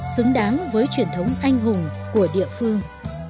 xứng đáng với truyền thống anh hùng của địa phương